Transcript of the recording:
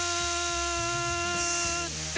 って